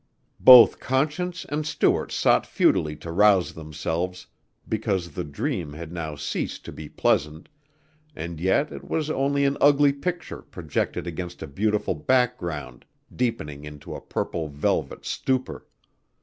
Both Conscience and Stuart sought futilely to rouse themselves because the dream had now ceased to be pleasant, and yet it was only an ugly picture projected against a beautiful background deepening into a purple velvet stupor.